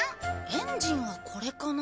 エンジンはこれかな？